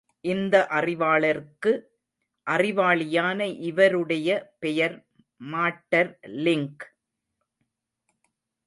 இந்த அறிவாளர்க்கு அறிவாளியான இவருடைய பெயர் மாட்டர் லிங்க்.